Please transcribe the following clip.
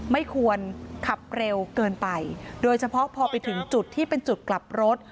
ไม่ควรขับเร็วเกินไปโดยเฉพาะพอไปถึงจุดที่เป็นจุดกลับรถ